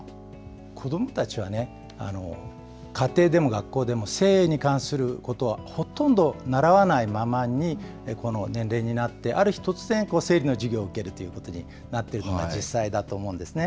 子どもたちは、家庭でも学校でも性に関することは、ほとんど習わないままに、この年齢になって、ある日突然、生理の授業を受けるということになっているのが実際だと思うんですね。